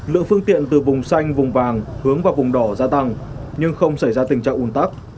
lượng phương tiện từ vùng xanh vùng vàng hướng vào vùng đỏ gia tăng nhưng không xảy ra tình trạng ủn tắc